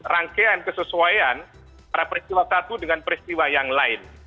rangkaian kesesuaian antara peristiwa satu dengan peristiwa yang lain